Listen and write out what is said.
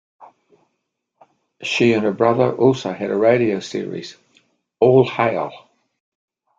She and her brother also had a radio series, "All Hale".